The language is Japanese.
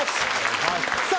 さあ